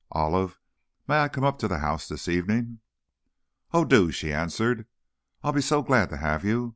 Olive, may I come up to the house this evening?" "Oh, do," she answered, "I'll be so glad to have you.